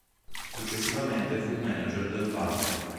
Successivamente, fu manager del Burnley.